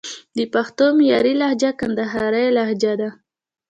د پښتو معیاري لهجه کندهارۍ لجه ده